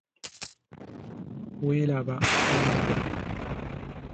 Welaba Wambwa.